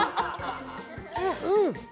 うん！